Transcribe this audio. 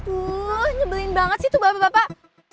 wah nyebelin banget sih tuh bapak bapak